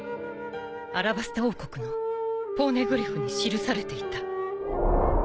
アラバスタ王国のポーネグリフに記されていた。